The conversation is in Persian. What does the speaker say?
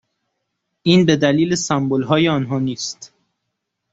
این به دلیل سمبلهای آنها نیست